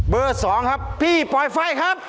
เบอร์สองพี่ปลอยไฟครับ